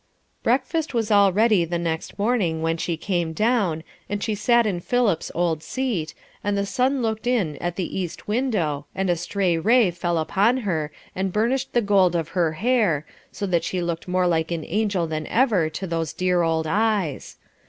Breakfast was all ready the next morning when she came down, and she sat in Philip's old seat, and the sun looked in at the east window, and a stray ray fell upon her, and burnished the gold of her hair, so that she looked more like an angel than ever to those dear old eyes.